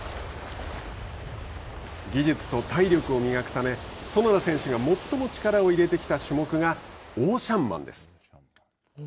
技術と体力を磨くため園田選手が最も力を入れてきた種目がオーシャンマンです。